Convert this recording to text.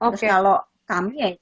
terus kalau kami ya